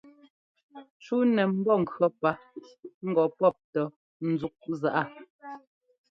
Cú nɛ mbɔ́ŋkʉɔ́ pá ŋgɔ pɔ́p tɔ́ ńzúk zaꞌa.